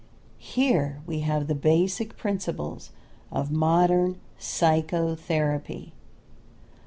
Here we have the basic principles of modern psychotherapy.